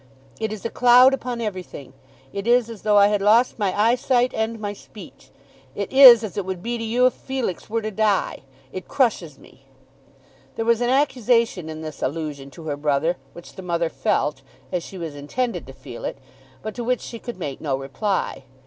It is a cloud upon everything. It is as though I had lost my eyesight and my speech. It is as it would be to you if Felix were to die. It crushes me." There was an accusation in this allusion to her brother which the mother felt, as she was intended to feel it, but to which she could make no reply.